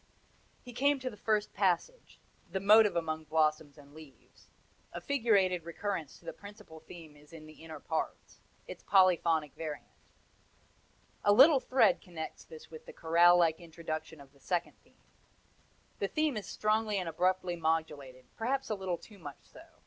He came to the first passage the motive among blossoms and leaves a figurated recurrence to the principal theme is in the inner parts its polyphonic variant. A little thread connects this with the chorale like introduction of the second theme. The theme is strongly and abruptly modulated, perhaps a little too much so.